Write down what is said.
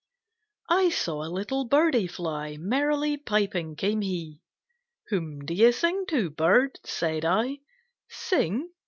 I SAW a little Birdie fly, Merrily piping came he; "Whom d'ye sing to, Bird?" said I; "Sing?